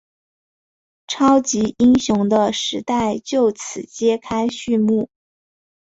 超级英雄的时代就此揭开序幕。